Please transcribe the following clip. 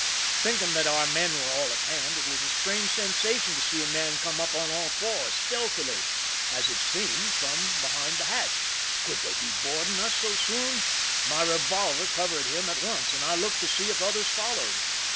Thinking that our men were all at hand, it was a strange sensation to see a man come up on all fours, stealthily, as it seemed, from behind the hatch. Could they be boarding us so soon ? My revolver covered him at once, and I looked to see if others followed.